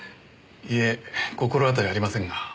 いえ心当たりありませんが。